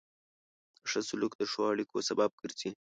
ښه سلوک د ښو اړیکو سبب ګرځي.